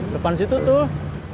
depan situ tuh